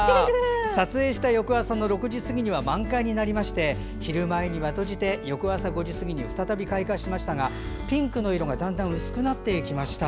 撮影した翌朝の６時過ぎには満開になりまして昼前には閉じて翌朝５時過ぎに再び開花しましたがピンクの色がだんだんと薄くなっていきました。